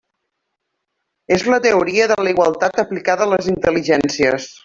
És la teoria de la igualtat aplicada a les intel·ligències.